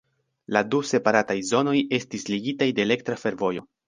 La du separataj zonoj estis ligitaj de elektra fervojo.